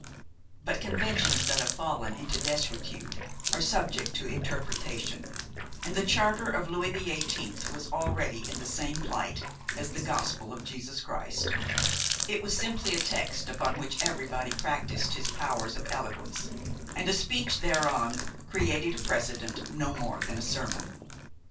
But conventions that have fallen into desuetude are subject to interpretation, and the Charter of Louis XVIII was already in the same plight as the Gospel of Jesus Christ; it was simply a text upon which everybody practised his powers of eloquence, and a speech thereon created a precedent no more than a sermon.